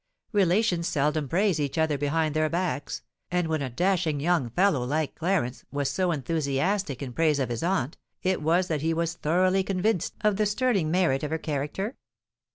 Relations seldom praise each other behind their backs; and when a dashing young fellow, like Clarence, was so enthusiastic in praise of his aunt, it was that he was thoroughly convinced of the sterling merit of her character?"